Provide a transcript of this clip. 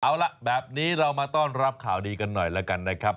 เอาล่ะแบบนี้เรามาต้อนรับข่าวดีกันหน่อยแล้วกันนะครับ